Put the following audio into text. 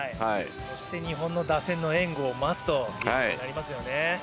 そして日本の援護、マストということになりますね。